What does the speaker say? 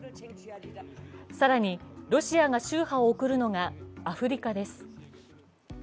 更にロシアが秋波を送るのがアフリカです。